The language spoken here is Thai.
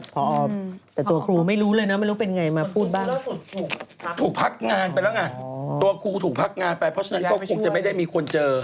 เพราะฉะนั้นคุณฯก็คงจะไม่ได้มีคนเจอ